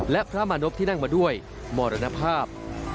และพระมะนพที่นั่งมาด้วยหมอดละนภาพ